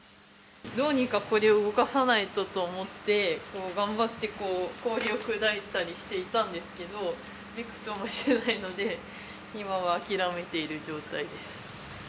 どうにかこれを動かさないとと思って、頑張ってこう、氷を砕いたりしていたんですけど、びくともしないので、今は諦めている状態です。